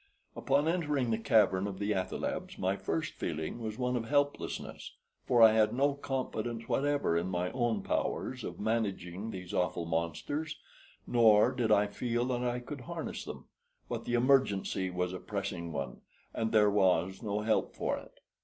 Upon entering the cavern of the athalebs my first feeling was one of helplessness; for I had no confidence whatever in my own powers of managing these awful monsters, nor did I feel sure that I could harness them; but the emergency was a pressing one, and there was no help for it.